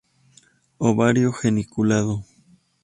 Ovario geniculado.